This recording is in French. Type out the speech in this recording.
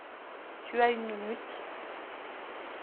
Tu as une minute.